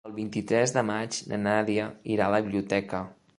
El vint-i-tres de maig na Nàdia irà a la biblioteca.